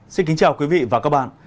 xin kính chào quý vị và các bạn